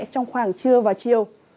trong khoảng trưa và chiều